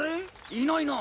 いないなあ。